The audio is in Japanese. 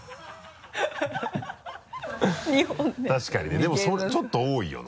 確かにねでもちょっと多いよな。